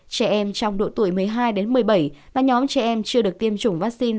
trẻ em trong độ tuổi một mươi hai đến một mươi bảy và nhóm trẻ em chưa được tiêm chủng vaccine